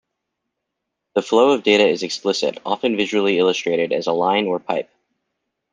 The flow of data is explicit, often visually illustrated as a line or pipe.